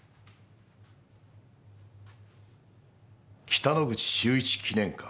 北之口秀一記念館。